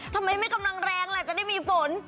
ทำไมไม่กำลังแรงล่ะจะได้มีฝน